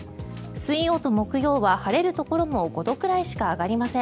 水曜と木曜は晴れるところも５度くらいしか上がりません。